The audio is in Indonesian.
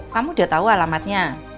kamu udah tau alamatnya